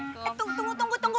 tunggu tunggu tunggu